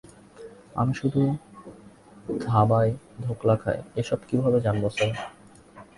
আমি শুধু ধাবায় ধোকলা খাই, এসব কিভাবে জানবো, স্যার।